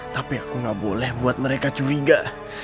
tapi aku nggak boleh buat mereka curiga